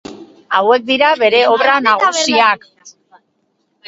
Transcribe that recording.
Hauek dira bere obra nagusiak.